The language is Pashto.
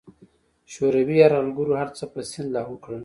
شوروي یرغلګرو هرڅه په سیند لاهو کړل.